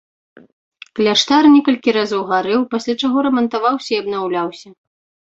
Кляштар некалькі разоў гарэў, пасля чаго рамантаваўся і абнаўляўся.